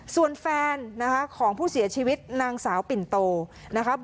ส่วนแฟนนะคะของผู้เสียชีวิตนางสาวปิ่นโตนะคะ